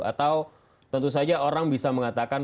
atau tentu saja orang bisa mengatakan